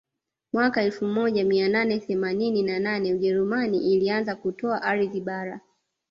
Mwaka elfu moja mia nane themanini na nane ujerumani ilianza kutoa ardhi bara